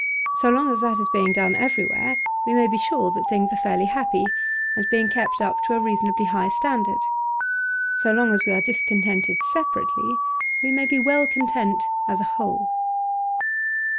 So long as that is being done everywhere, we may be sure that things are fairly happy, and being kept up to a reasonably high standard. So long as we are discontented separately we may be well content as a whole.